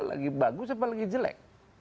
lagi bagus apa lagi jelek